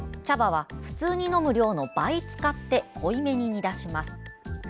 茶葉は普通に飲む量の倍使って濃いめに煮出します。